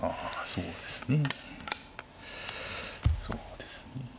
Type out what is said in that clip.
そうですね。